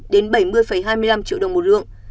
đến bảy mươi hai mươi năm triệu đồng một lượng